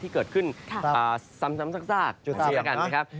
ที่เกิดขึ้นซ้ำซากเพื่อกันนะครับ